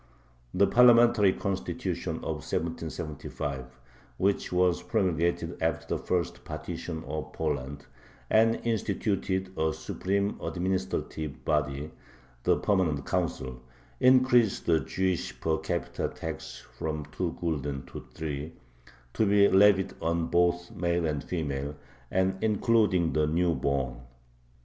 The parliamentary Constitution of 1775, which was promulgated after the first partition of Poland, and instituted a supreme administrative body, the Permanent Council, increased the Jewish per capita tax from two gulden to three, to be levied on both male and female, and including the new born.